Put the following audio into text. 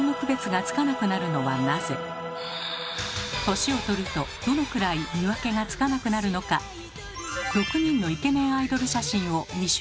年をとるとどのくらい見分けがつかなくなるのか６人のイケメンアイドル写真を２種類用意。